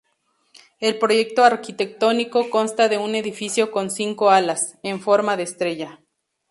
El proyecto arquitectónico consta de un edificio con cinco alas, en forma de estrella.